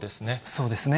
そうですね。